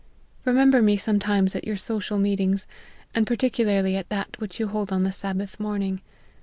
Remember me sometimes at your social meetings, and particularly at that which you hold on the Sabbath morning.